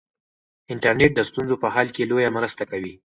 انټرنیټ د ستونزو په حل کې لویه مرسته کوي.